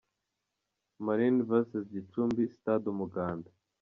Marines vs Gicumbi – Stade Umuganda.